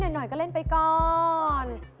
หน่อยก็เล่นไปก่อน